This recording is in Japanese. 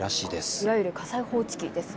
いわゆる火災報知器ですね。